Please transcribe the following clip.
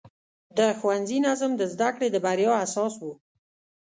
د ښوونځي نظم د زده کړې د بریا اساس و.